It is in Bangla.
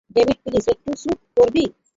ডেভিড, প্লিজ একটু চুপ করবি?